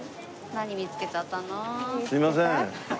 すいません。